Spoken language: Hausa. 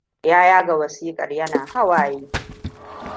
Ya yaga wasikar yana hawaye.